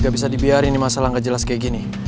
gak bisa dibiarin masalah gak jelas kayak gini